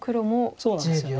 そうなんですよね。